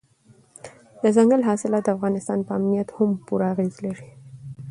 دځنګل حاصلات د افغانستان په امنیت هم خپل پوره اغېز لري.